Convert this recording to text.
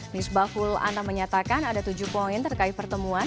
miss baful anam menyatakan ada tujuh poin terkait pertemuan